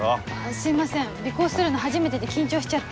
すいません尾行するの初めてで緊張しちゃって。